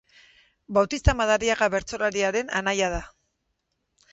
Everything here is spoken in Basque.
Bautista Madariaga bertsolariaren anaia da.